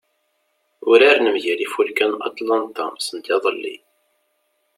Uraren mgal Ifulka n Atlanta sendiḍelli.